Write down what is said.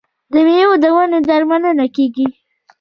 د میوو د ونو درملنه کیږي.